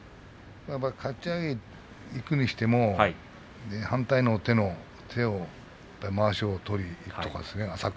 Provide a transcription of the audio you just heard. かち上げにいくにしても反対の手をまわしを取りにいくとかですね浅く。